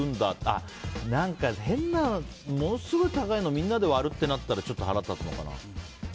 あ、でも何か変なものすごい高いのをみんなで割るってなったら腹立つのかな。